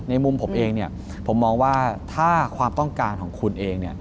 มุมผมเองผมมองว่าถ้าความต้องการของคุณเอง